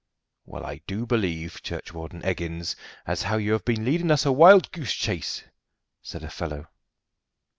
"Well, I do believe, Churchwarden Eggins, as how you have been leading us a wild goose chase!" said a fellow.